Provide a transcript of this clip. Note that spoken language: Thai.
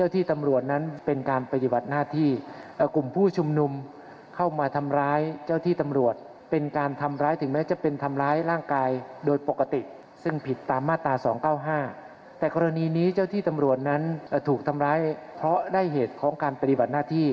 ที่ตำรวจนั้นถูกทำร้ายเพราะได้เหตุของการปฏิบัติหน้าที่